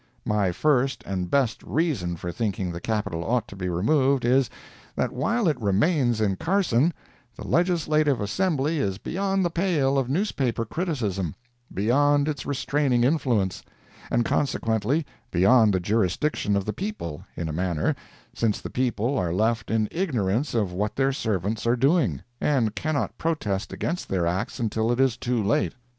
My first and best reason for thinking the Capital ought to be removed is, that while it remains in Carson, the Legislative Assembly is beyond the pale of newspaper criticism—beyond its restraining influence, and consequently beyond the jurisdiction of the people, in a manner, since the people are left in ignorance of what their servants are doing, and cannot protest against their acts until it is too late.